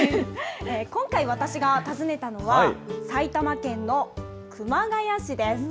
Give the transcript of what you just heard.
今回、私が訪ねたのは、埼玉県の熊谷市です。